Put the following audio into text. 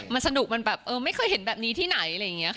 มันสนุกมันแบบเออไม่เคยเห็นแบบนี้ที่ไหนอะไรอย่างนี้ค่ะ